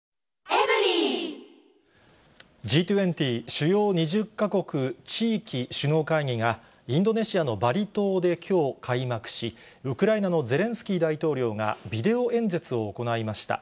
Ｇ２０・主要２０か国地域首脳会議が、インドネシアのバリ島できょう開幕し、ウクライナのゼレンスキー大統領が、ビデオ演説を行いました。